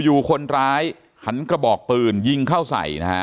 อยู่คนร้ายหันกระบอกปืนยิงเข้าใส่นะฮะ